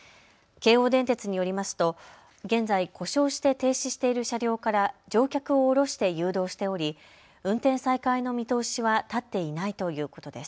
京王電鉄によりますと現在、故障して停止している車両から乗客を降ろして誘導しており運転再開の見通しは立っていないということです。